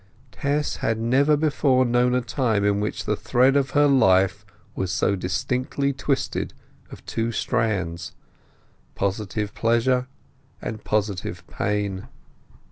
Tess had never before known a time in which the thread of her life was so distinctly twisted of two strands, positive pleasure and positive pain.